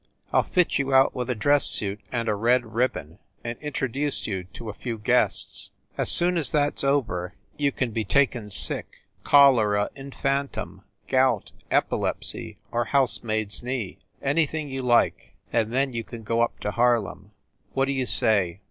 I ll fit you out with a dress suit and a red ribbon, and introduce you to a few guests. As soon as that s over, you can be taken sick cholera infantum, gout, epilepsy or housemaid s knee anything you like and then you can go up to Harlem. What d you say?